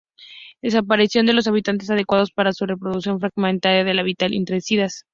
Desaparición de los hábitats adecuados para su reproducción, fragmentación del hábitat, insecticidas.